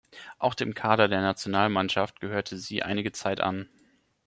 Auch dem Kader der Nationalmannschaft gehörte sie einige Zeit an.